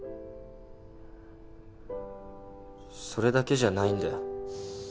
それだけじゃないんだよ。